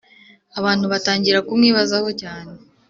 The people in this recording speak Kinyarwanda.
abantu batangira kumwibazaho cyane,